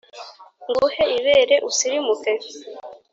Nguhe ibere usirimuke.